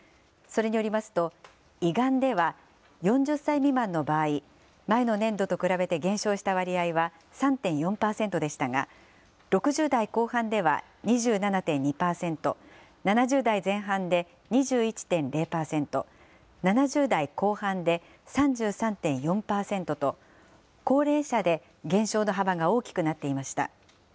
それによりますと胃がんでは４０歳未満の場合、前の年度と比べて減少した割合は３．４％でしたが６０代後半では２７．２％、７０代前半で２１．０％、７０代後半で３３．４％と高齢者で減少の幅が大きくなっていました。